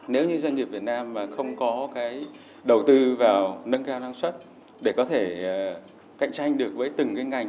nếu như doanh nghiệp việt nam mà không có cái đầu tư vào nâng cao năng suất để có thể cạnh tranh được với từng cái ngành